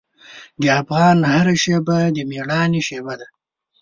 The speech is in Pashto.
د افغان هره شېبه د میړانې شېبه ده.